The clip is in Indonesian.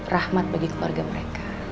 rahmat bagi keluarga mereka